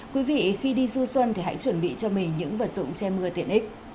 quý vị khi đi du xuân thì hãy chuẩn bị cho mình những vật dụng che mưa tiện ích